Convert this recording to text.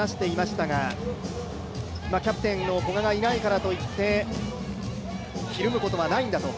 キャプテンの古賀がいないからといって、ひるむことはないんだと。